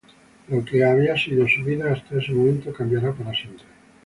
Lo que había sido su vida hasta ese momento cambiará para siempre.